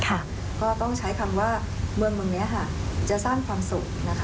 ก็ต้องใช้คำว่าเมืองนี้ค่ะจะสร้างความสุขนะคะ